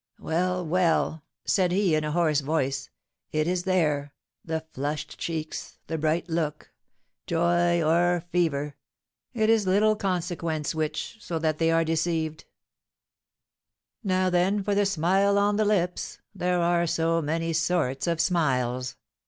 "Well, well," said he, in a hoarse voice, "it is there, the flushed cheeks the bright look joy or fever, it is little consequence which, so that they are deceived; now, then, for the smile on the lips, there are so many sorts of smiles!